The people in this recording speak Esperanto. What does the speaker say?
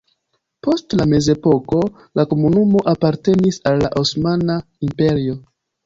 Post la mezepoko la komunumo apartenis al la Osmana Imperio.